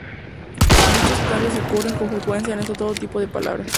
Dichos cambios ocurren con frecuencia en todo tipo de palabras.